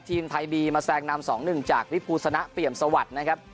ทีมไทยบีมาแสงนำสองหนึ่งจากวิภูสนะเปรียมสวัสดิ์นะครับ